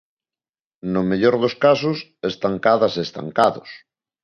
No mellor dos casos estancadas e estancados.